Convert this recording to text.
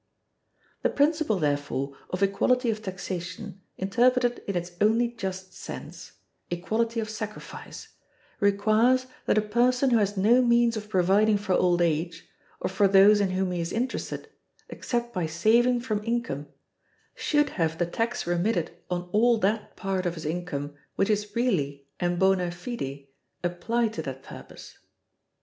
The principle, therefore, of equality of taxation, interpreted in its only just sense, equality of sacrifice, requires that a person who has no means of providing for old age, or for those in whom he is interested, except by saving from income, should have the tax remitted on all that part of his income which is really and bona fide applied to that purpose.